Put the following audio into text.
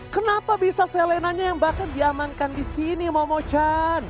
kenapa bisa selenanya yang bahkan diamankan di sini momochan